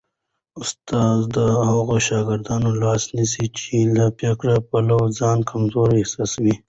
استاد د هغو شاګردانو لاس نیسي چي له فکري پلوه ځان کمزوري احساسوي.